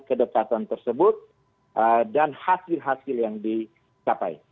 kedekatan tersebut dan hasil hasil yang dicapai